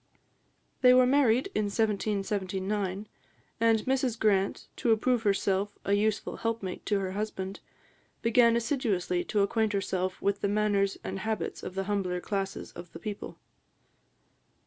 They were married in 1779, and Mrs Grant, to approve herself a useful helpmate to her husband, began assiduously to acquaint herself with the manners and habits of the humbler classes of the people.